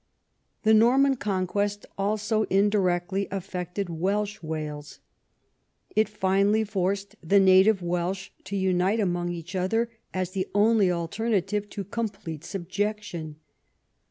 The Norman Conquest also indirectly affected Welsh Wales. It finally forced the native Welsh to unite among each other as the only alternative to complete subjection.